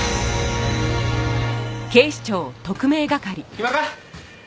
暇か？